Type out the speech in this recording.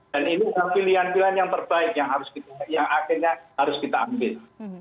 dan ini pilihan pilihan yang terbaik yang akhirnya harus kita ambil